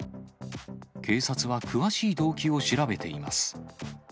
警察は詳しい動機を調べています。